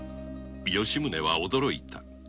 吉宗は驚いた。